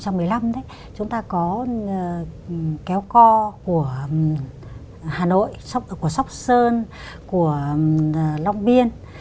năm hai nghìn một mươi năm chúng ta có kéo co của hà nội của sóc sơn của long biên